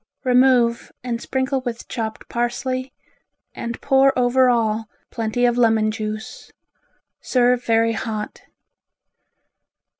Remove and sprinkle with chopped parsley and pour over all plenty of lemon juice. Serve very hot.